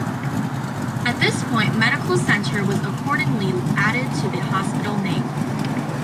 At this point "medical center" was accordingly added to the hospital name.